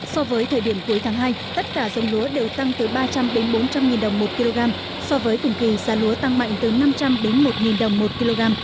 so với thời điểm cuối tháng hai tất cả giống lúa đều tăng từ ba trăm linh bốn trăm linh đồng một kg so với cùng kỳ giá lúa tăng mạnh từ năm trăm linh đến một đồng một kg